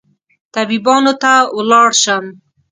طبيبانو ته ولاړ شم